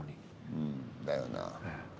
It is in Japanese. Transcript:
うんだよな。